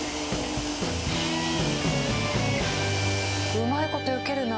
うまい事よけるな。